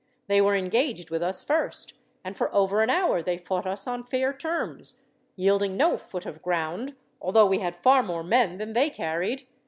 They were engaged with us first, and for over an hour they fought us on fair terms, yielding no foot of ground, although we had far more men than they carried.